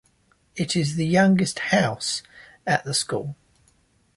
It is the youngest House at the school.